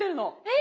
え